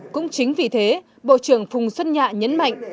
cũng chính vì thế bộ trưởng phùng xuân nhạ nhấn mạnh